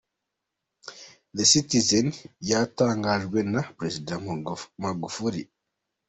The citizen : “Byatangajwe na Perezida Magufuli.”